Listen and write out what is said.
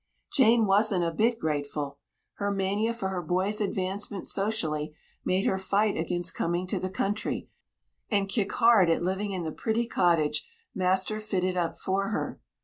Jane wasn't a bit grateful. Her mania for her boy's advancement socially made her fight against coming to the country, and kick hard at living in the pretty cottage master fitted up for her.